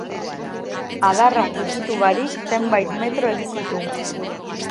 Adarrak ukitu barik zenbait metro egin ditu.